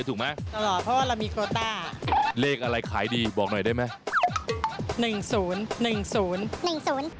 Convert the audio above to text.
โอ้โหตัวเองไม่จริงไม่จริงไม่จริงพูดอีกทีแล้ว